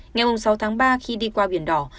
ngày sáu tháng ba khi đi qua biển đỏ